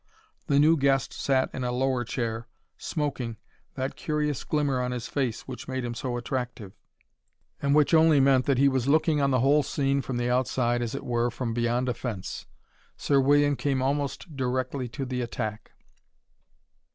The new guest sat in a lower chair, smoking, that curious glimmer on his face which made him so attractive, and which only meant that he was looking on the whole scene from the outside, as it were, from beyond a fence. Sir William came almost directly to the attack.